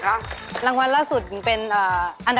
ส่วนหมายเล็กสอง